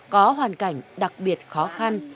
có hoàn cảnh đặc biệt khó khăn